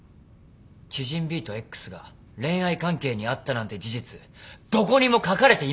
知人ＢとＸが恋愛関係にあったなんて事実どこにも書かれていません。